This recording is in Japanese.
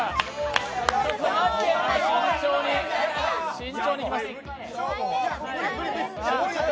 慎重にいきます。